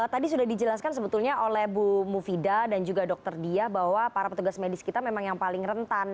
tadi sudah dijelaskan sebetulnya oleh bu mufida dan juga dokter dia bahwa para petugas medis kita memang yang paling rentan